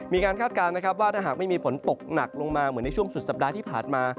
คาดการณ์นะครับว่าถ้าหากไม่มีฝนตกหนักลงมาเหมือนในช่วงสุดสัปดาห์ที่ผ่านมา